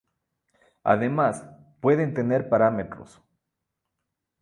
Además pueden tener parámetros.